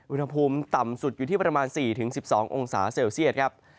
อุณหภูมิต่ำสุดอยู่ที่ประมาณ๔๑๒องศาเซลเซียตครับ